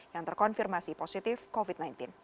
yang terkonfirmasi positif covid sembilan belas